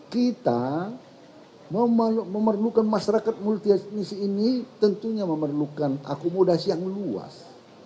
kita memerlukan masyarakat multi etnis ini tentunya memerlukan akomodasi yang luas